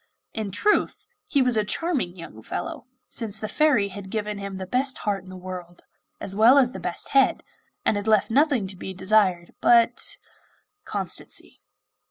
In truth, he was a charming young fellow, since the Fairy had given him the best heart in the world as well as the best head, and had left nothing to be desired but constancy.